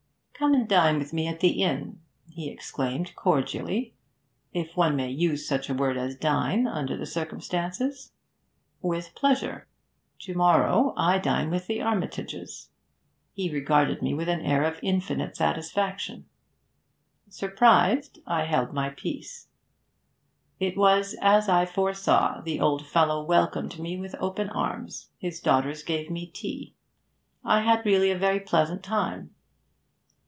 'Come and dine with me at the inn,' he exclaimed cordially; 'if one may use such a word as dine under the circumstances.' 'With pleasure.' 'To morrow I dine with the Armitages.' He regarded me with an air of infinite satisfaction. Surprised, I held my peace. 'It was as I foresaw. The old fellow welcomed me with open arms. His daughters gave me tea. I had really a very pleasant time.'